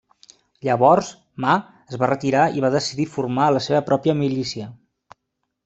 Llavors Ma es va retirar i va decidir formar la seva pròpia milícia.